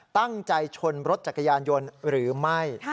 ตั้งใจชนรถจักรยานยนต์หรือไม่